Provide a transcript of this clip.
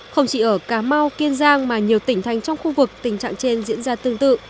không chỉ ở cà mau kiên giang mà nhiều tỉnh thành trong khu vực tình trạng trên diễn ra tương tự